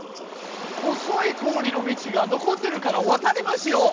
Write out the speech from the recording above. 細い氷の道が残ってるからわたれますよ！